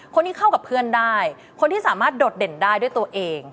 คนที่เข้ากับเพื่อนได้คนที่สามารถโดดเด่นได้ด้วยตัวเอง